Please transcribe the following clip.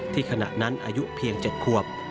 ที่ขณะนั้นอายุเพียง๗ครวบ